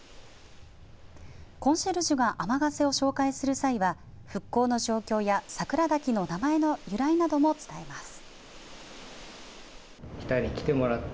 コンシェルジュが天ヶ瀬を紹介する際は復興の状況や桜滝の名前の由来なども伝えます。